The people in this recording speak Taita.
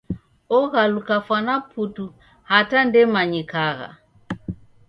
Oghaluka fwana putu hata ndemanyikagha.